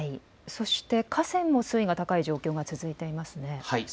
そして河川も水位が高い状況も続いていますね。